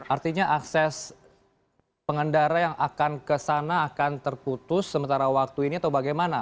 artinya akses pengendara yang akan ke sana akan terputus sementara waktu ini atau bagaimana